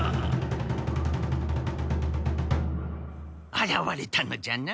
あらわれたのじゃな。